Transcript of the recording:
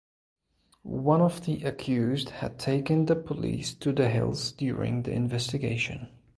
One of the accused had taken the police to the hills during the investigation.